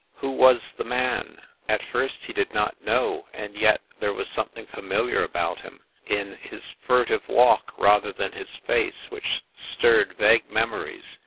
Who was the man? At first he did not know, and yet there was something familiar about him, in his furtive walk rather than his face, which stirred vague memories.